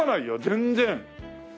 全然。